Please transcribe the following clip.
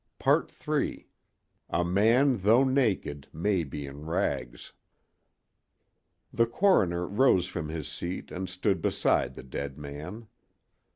III A MAN THOUGH NAKED MAY BE IN RAGS The coroner rose from his seat and stood beside the dead man.